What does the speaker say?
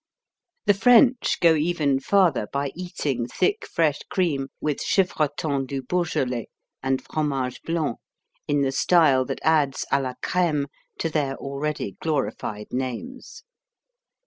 The French go even farther by eating thick fresh cream with Chevretons du Beaujolais and Fromage Blanc in the style that adds à la crême to their already glorified names.